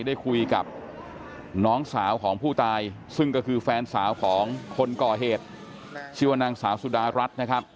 ได้คุยกับน้องสาวของผู้ตายซึ่งก็คือแฟนสาวของคนก่อเหตุชื่อว่านางสาวสุดารัฐนะครับ